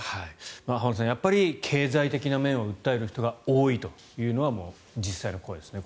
浜田さん、やっぱり経済的な面を訴える人が多いというのが実際の声ですね。